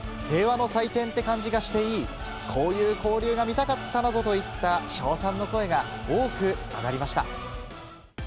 平和の祭典って感じがしていい、こういう交流が見たかったなどといった称賛の声が多く上がりました。